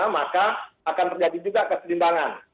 maka akan terjadi juga kesedimbangan